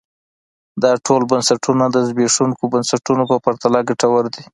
دا ډول بنسټونه د زبېښونکو بنسټونو په پرتله ګټور دي.